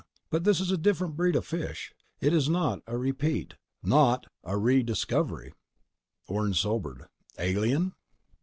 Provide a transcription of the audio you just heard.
But this is a different breed of fish. It's not, repeat, not a re discovery." Orne sobered. "Alien?"